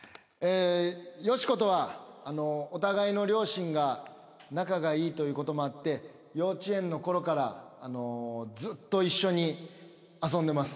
よし子とはお互いの両親が仲がいいということもあって幼稚園のころからずっと一緒に遊んでます。